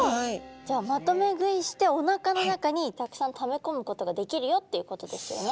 じゃあまとめ食いしておなかの中にたくさんためこむことができるよっていうことですよね。